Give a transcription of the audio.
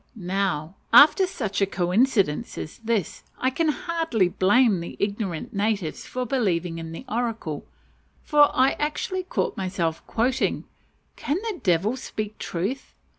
Now, after such a coincidence as this, I can hardly blame the ignorant natives for believing in the oracle, for I actually caught myself quoting, "Can the devil speak truth?"